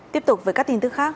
tiếp tục với các tin tức khác